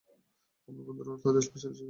আমার বন্ধুরা তাদের জন্য স্পেশাল ছিল।